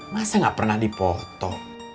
masa gak pernah dipoto